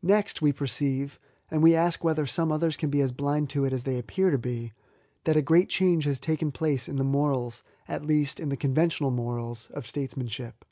Next, we perceive, (and we ask whether some others can be as blind to it as they appear to be,) that a great change has taken place in the morals — at least, in the conventional morals, of States manship.